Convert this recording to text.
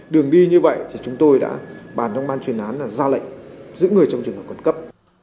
đường đi như vậy thì chúng tôi đã bàn trong ban truyền án là ra lệnh giữ người trong trường hợp khẩn cấp